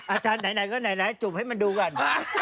อาจารย์ไหนก็ไหนจุบให้มันดูก่อน